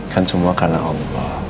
kan semua karena allah